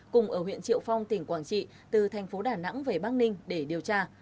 cùng ở huyện triệu phong tỉnh quảng trị từ thành phố đà nẵng về bắc ninh để điều tra